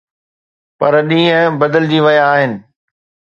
پر ڏينهن بدلجي ويا آهن.